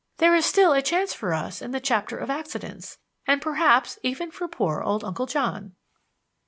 There is still a chance for us in the Chapter of Accidents and perhaps even for poor old Uncle John."